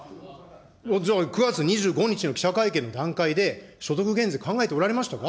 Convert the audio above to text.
じゃあ、９月２５日の記者会見の段階で、所得減税考えておられましたか。